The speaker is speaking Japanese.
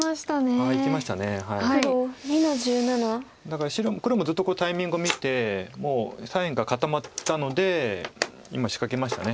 だから黒もずっとタイミングを見てもう左辺が固まったので今仕掛けました。